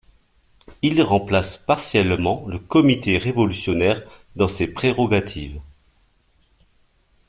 Il remplace partiellement le Comité révolutionnaire dans ses prérogatives.